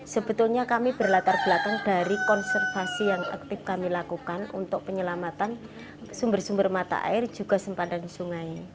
sumber sumber mata air juga sempadan sungai